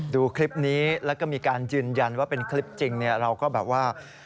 ดูคลิปนี้แล้วก็มีการยืนยันว่าเป็นคลิปจริงเราก็แบบว่า